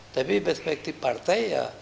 tapi perspektif partai ya